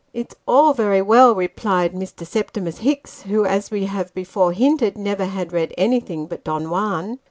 " It's all very well," replied Mr. Septimus Hicks, who, as we have before hinted, never had read anything but Don Juan.